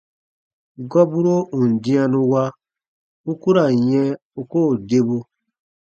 Gɔburo ù n dĩanu wa, u ku ra n yɛ̃ u koo debu.